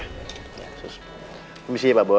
komisi ya pak boy